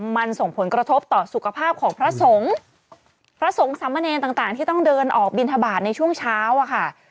มันส่งผลกระทบต่อสุขภาพของพระสงฆ์พระสงฆ์สามเณรต่างต่างที่ต้องเดินออกบินทบาทในช่วงเช้าอะค่ะ